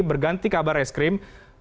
berganti kabar es krim